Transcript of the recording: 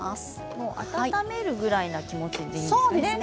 温めるぐらいの気持ちでいいんですかね？